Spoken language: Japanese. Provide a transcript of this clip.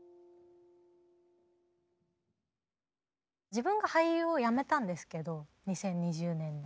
自分が俳優を辞めたんですけど２０２０年に。